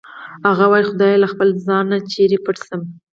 هغه وایی خدایه له خپله ځانه چېرې پټ شم